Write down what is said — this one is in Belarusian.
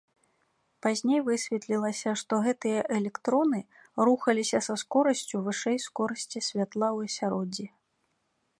Пазней высветлілася, што гэтыя электроны рухаліся са скорасцю вышэй скорасці святла ў асяроддзі.